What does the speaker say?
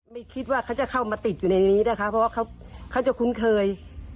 ไม่คิดว่าเขาจะเข้ามาติดอยู่ในนี้นะคะเพราะว่าเขาจะคุ้นเคย